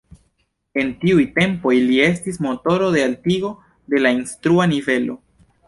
En tiuj tempoj li estis motoro de altigo de la instrua nivelo.